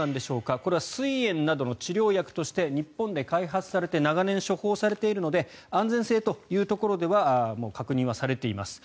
これは、すい炎などの治療薬として日本で開発されて長年処方されているので安全性というところではもう確認はされています。